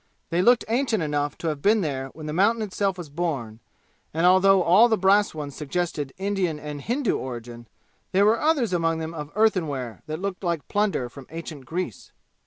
They looked ancient enough to have been there when the mountain itself was born, and although all the brass ones suggested Indian and Hindu origin, there were others among them of earthenware that looked like plunder from ancient Greece.